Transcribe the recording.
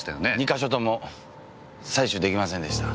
２か所とも採取出来ませんでした。